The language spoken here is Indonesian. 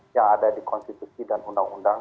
yang ada di konstitusi dan undang undang